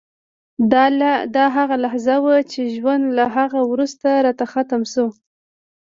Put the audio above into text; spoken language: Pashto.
دا هغه لحظه وه چې ژوند له هغه وروسته راته ختم شو